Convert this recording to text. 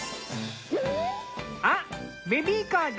あっベビーカーだ。